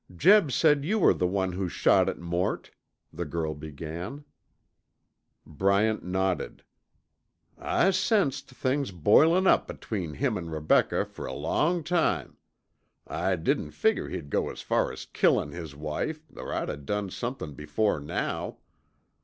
"Jeb said you were the one who shot at Mort," the girl began. Bryant nodded. "I sensed things boilin' up between him an' Rebecca fer a long time. I didn't figure he'd go as far as killin' his wife or I'd o' done somethin' before now.